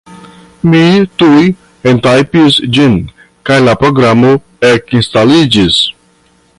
Mi tuj entajpis ĝin, kaj la programo ekinstaliĝis.